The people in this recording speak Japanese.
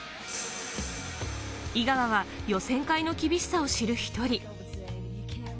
井川は予選会の厳しさを知る１人。